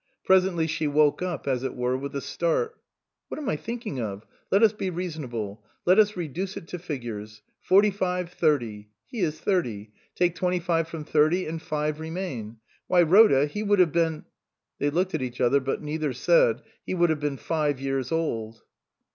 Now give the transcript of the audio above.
Presently she woke up as it were with a start. " What am I thinking of ? Let us be reason able ; let us reduce it to figures. Forty five thirty he is thirty. Take twenty five from thirty and five remain. Why Rhoda, he would have been " They looked at each other, but neither said :" He would have been five years old."